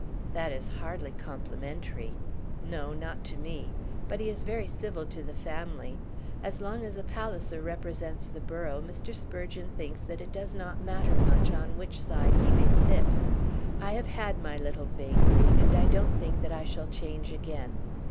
"That is hardly complimentary." "No, not to me. But he is very civil to the family. As long as a Palliser represents the borough, Mr. Sprugeon thinks that it does not matter much on which side he may sit. I have had my little vagary, and I don't think that I shall change again."